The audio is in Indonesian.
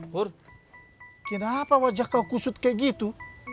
hur kenapa wajah kau kusut kayak gitu